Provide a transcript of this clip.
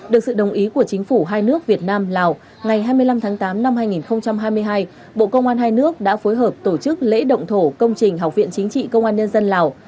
được sự đồng ý của chính phủ hai nước việt nam lào ngày hai mươi năm tháng tám năm hai nghìn hai mươi hai bộ công an hai nước đã phối hợp tổ chức lễ động thổ công trình học viện chính trị công an nhân dân lào